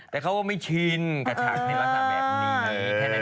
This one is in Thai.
แต่เขาว่าไม่ชินกับฉากในราสาแบบนี้